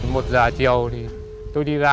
một giờ chiều thì tôi đi ra